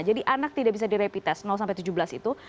jadi anak tidak bisa di rapid test tujuh belas itu